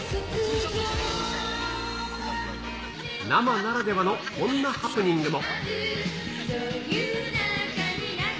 生ならではのこんなハプニングも。